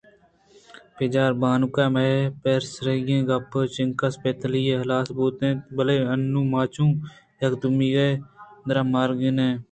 بچار بانک !مئے پیسریگیں گپ چینکس پہ تہلی ہلاس بوت اَنت بلئے انوں ماچوں یکے دومی ءِ درد ءَمارگ ءَ ئیں